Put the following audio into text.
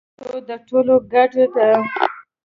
پښتو د ټولو ګډه ده.